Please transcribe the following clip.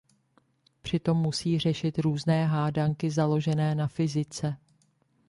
Přitom musí řešit různé hádanky založené na fyzice.